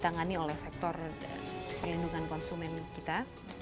yang diperlukan oleh sektor perlindungan konsumen kita